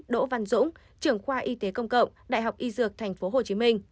đỗ văn dũng trưởng khoa y tế công cộng đại học y dược tp hcm